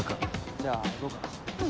じゃあ行こうか。